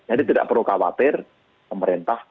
jadi tidak perlu khawatir pemerintah